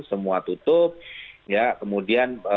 semua tutup ya kemudian